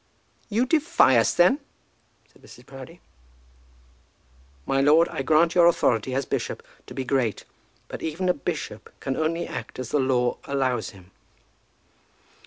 "You defy us, then?" said Mrs. Proudie. "My lord, I grant your authority as bishop to be great, but even a bishop can only act as the law allows him."